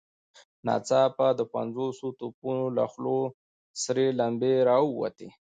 ناڅاپه د پنځوسو توپونو له خولو سرې لمبې را ووتې.